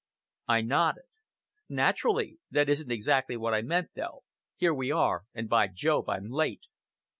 I nodded. "Naturally! That isn't exactly what I meant, though. Here we are, and by Jove, I'm late!"